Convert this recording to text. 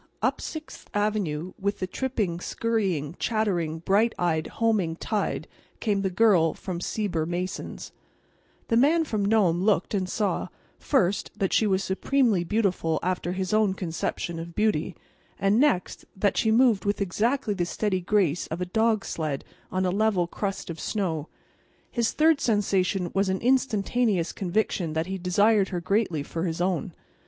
Up Sixth avenue, with the tripping, scurrying, chattering, bright eyed, homing tide came the Girl from Sieber Mason's. The Man from Nome looked and saw, first, that she was supremely beautiful after his own conception of beauty; and next, that she moved with exactly the steady grace of a dog sled on a level crust of snow. His third sensation was an instantaneous conviction that he desired her greatly for his own.